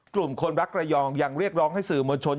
กลุ่มคนรักระยองยังเรียกร้องให้สื่อมวลชน